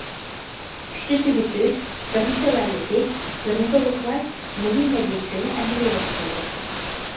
« ئۈچنى تۈگىتىش، بىرنى تۆۋەنلىتىش، بىرنى تولۇقلاش» مۇھىم ۋەزىپىسىنى ئەمەلىيلەشتۈردۇق.